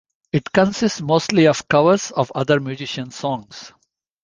It consists mostly of covers of other musicians' songs.